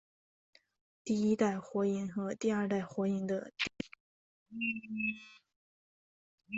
第一代火影和第二代火影的弟子。